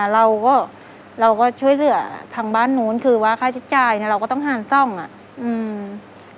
เราก็ช่วยเรือทางบ้านนู้นคือว่าค่าใช้จ่ายเราก็ต้องห่านส่องอ่ะ